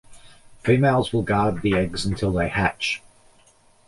Females will guard the eggs until they hatch.